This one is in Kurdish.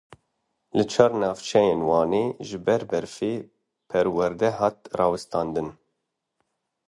Li çar navçeyên Wanê ji ber berfê perwerde hat rawestandin.